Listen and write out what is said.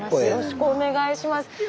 よろしくお願いします。